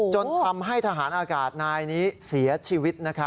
จนทำให้ทหารอากาศนายนี้เสียชีวิต